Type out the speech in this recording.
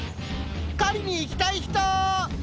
狩りに行きたい人？